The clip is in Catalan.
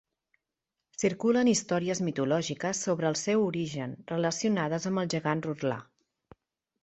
Circulen històries mitològiques sobre el seu origen relacionades amb el gegant Rotlà.